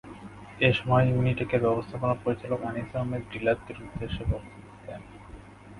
এ সময় ইউনিটেকের ব্যবস্থাপনা পরিচালক আনিস আহমেদ ডিলারদের উদ্দেশে বক্তব্য দেন।